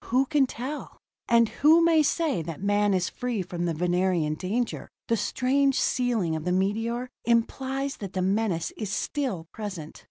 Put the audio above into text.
Who can tell? And who may say that man is free from the Venerian danger? The strange sealing of the meteor implies that the menace is still present.